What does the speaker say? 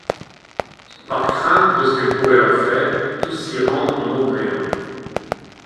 Par crainte de ce qu’elle pourrait leur faire, tous s’y rendent en maugréant.